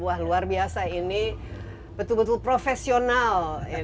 wah luar biasa ini betul betul profesional